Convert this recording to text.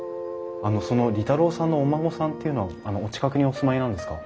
あのその利太郎さんのお孫さんっていうのはお近くにお住まいなんですか？